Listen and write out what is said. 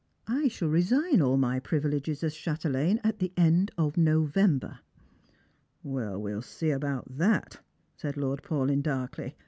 I shall resign all my privileges as chate laine at the end of November." " We'll see about that," said Lord Paulyn darlcly.